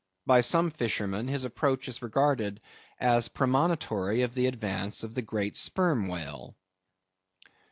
By some fishermen his approach is regarded as premonitory of the advance of the great sperm whale.